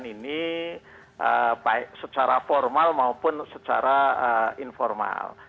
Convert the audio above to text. saya tidak pernah membicarakan ini secara formal maupun secara informal